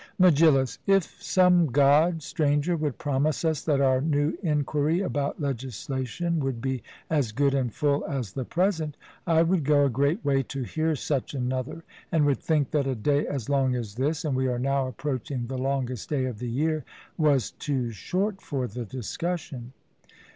MEGILLUS: If some God, Stranger, would promise us that our new enquiry about legislation would be as good and full as the present, I would go a great way to hear such another, and would think that a day as long as this and we are now approaching the longest day of the year was too short for the discussion.